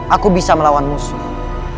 aku bisa melawan musuh